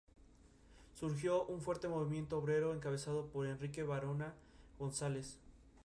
Produce, en especial, arroz, ganado, leche y maíz.